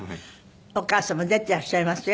お母様出ていらっしゃいますよ